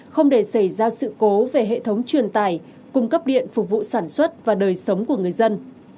không để xảy ra sự cố về hệ thống truyền tải cung cấp điện phục vụ sản xuất và đời sống của người dân